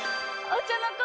お茶の子